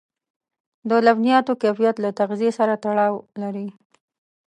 د لبنیاتو کیفیت له تغذيې سره تړاو لري.